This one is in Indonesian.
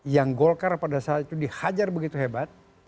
yang golkar pada saat itu dihajar begitu hebat